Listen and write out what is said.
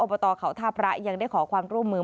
บตเขาท่าพระยังได้ขอความร่วมมือ